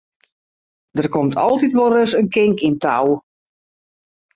Der komt altyd wolris in kink yn 't tou.